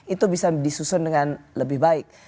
itu bisa disusun dengan lebih baik